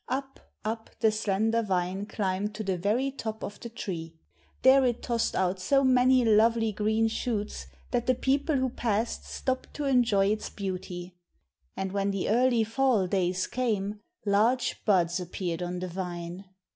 Up, up, the slender vine climbed to the very top of the tree. There it tossed out so many lovely green shoots that the people who passed stopped to enjoy its beauty. And when the early fall days came large buds appeared on the vine.